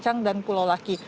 pulau lancur dan pulau laki